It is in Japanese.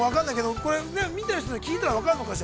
これ、見てる人で、聞いたら分かるのかしら。